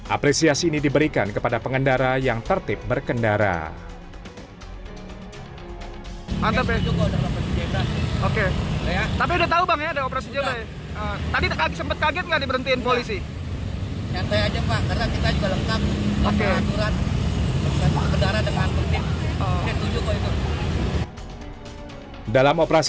apresiasi ini diberikan kepada pengendara yang tertib berkendara